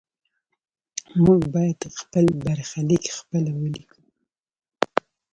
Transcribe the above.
موږ باید خپل برخلیک خپله ولیکو.